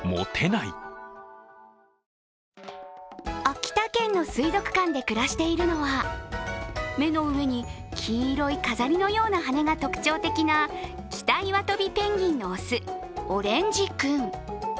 秋田県の水族館で暮らしているのは、目の上に、黄色い飾りのような羽が特徴的なキタイワトビペンギンの雄オレンジ君。